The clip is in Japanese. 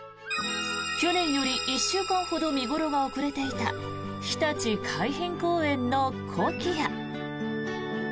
去年より１週間ほど見頃が遅れていたひたち海浜公園のコキア。